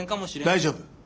大丈夫。